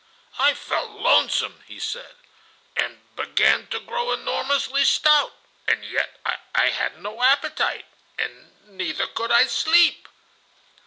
"I felt lonesome," he said, "and began to grow enormously stout, and yet I had no appetite, and neither could I sleep."